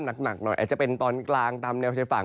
หนักหน่อยอาจจะเป็นตอนกลางตามแนวชายฝั่ง